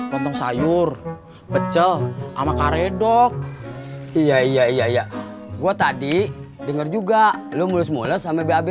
potong sayur pecel ama karet dok iya iya iya iya gua tadi denger juga lu mulus mulus sama bab